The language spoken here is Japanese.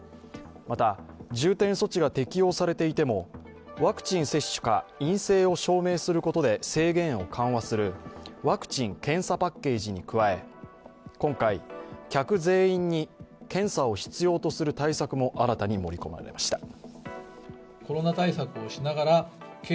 また、重点措置が適用されていても、ワクチン接種か陰性を証明することで制限を緩和するワクチン・検査パッケージに加え今回、客全員に検査を必要とする対策も新たに盛り込まれました。